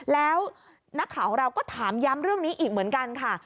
แล้วนักข่าวของเราก็ถามย้ำเรื่องนี้อีกเหมือนกันค่ะ